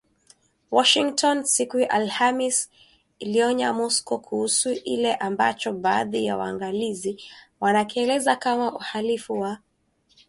Washington siku ya Alhamis iliionya Moscow kuhusu kile ambacho baadhi ya waangalizi wanakielezea kama uhalifu wa